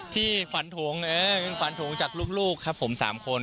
ที่ฝันถุงฝันถุงจากลูกครับผม๓คน